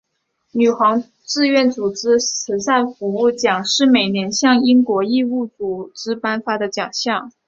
女皇志愿组织慈善服务奖是每年向英国义务组织颁发的奖项。